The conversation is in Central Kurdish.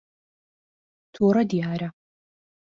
تووڕە دیارە.